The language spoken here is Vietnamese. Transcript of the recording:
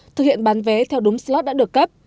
thực hiện bán vé theo đúng slot đã được cấp